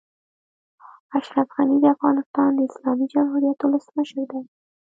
اشرف غني د افغانستان د اسلامي جمهوريت اولسمشر دئ.